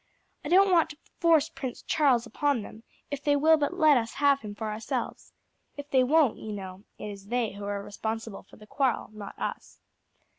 I don't want to force Prince Charles upon them if they will but let us have him for ourselves. If they won't, you know, it is they who are responsible for the quarrel, not us."